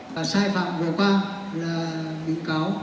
và sai phạm vừa qua là bị cáo